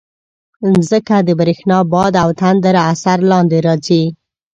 مځکه د برېښنا، باد او تندر اثر لاندې راځي.